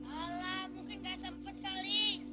alah mungkin nggak sempat kali